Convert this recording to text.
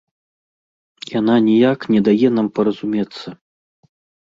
Яна ніяк не дае нам паразумецца.